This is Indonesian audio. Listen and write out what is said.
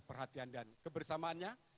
perhatian dan kebersamaannya